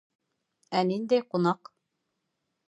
Ә ниндәй ҡунаҡ?